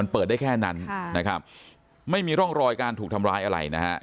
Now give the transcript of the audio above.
เปิดได้แค่นั้นนะครับไม่มีร่องรอยการถูกทำร้ายอะไรนะฮะ